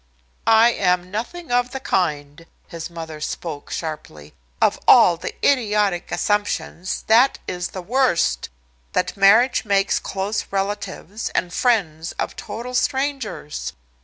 "I am nothing of the kind." His mother spoke sharply. "Of all the idiotic assumptions, that is the worst, that marriage makes close relatives, and friends of total strangers.